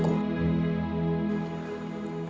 ku mau menyelamatkan